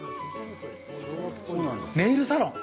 ネイルサロン？